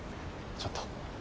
ちょっと。